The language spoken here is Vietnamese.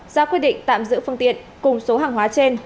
ra quyết định tạm giữ phương tiện cùng số hàng hóa trên